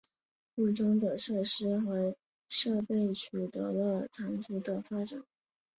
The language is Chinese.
附中的设施和设备取得了长足的发展。